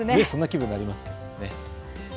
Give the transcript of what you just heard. そんな気分になりますね。